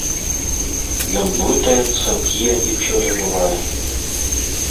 Ён блытаецца, п'е і ўсё забывае.